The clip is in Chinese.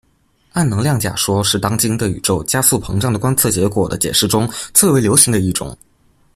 暗能量假说是当今对宇宙加速膨胀的观测结果的解释中最为流行的一种。